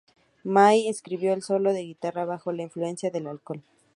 May escribió el solo de guitarra bajo las influencias del alcohol.